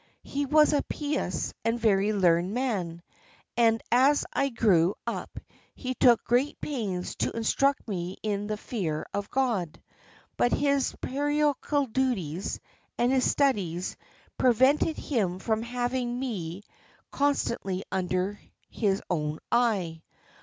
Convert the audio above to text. He was a pious and very learned man, and as I grew up he took great pains to instruct me in the fear of God; but his parochial duties and his studies prevented him from having me constantly under his own eye.